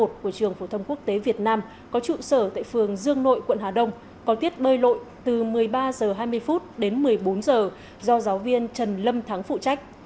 trường phổ thông quốc tế việt nam có trụ sở tại phường dương nội quận hà đông có tiết bơi lội từ một mươi ba h hai mươi đến một mươi bốn h do giáo viên trần lâm thắng phụ trách